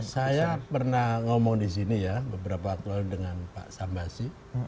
saya pernah ngomong disini ya beberapa kali dengan pak sambasi